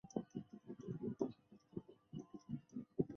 红晕散纹夜蛾为夜蛾科散纹夜蛾属下的一个种。